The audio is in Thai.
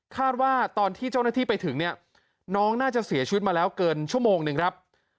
ว่าตอนที่เจ้าหน้าที่ไปถึงเนี่ยน้องน่าจะเสียชีวิตมาแล้วเกินชั่วโมงหนึ่งครับ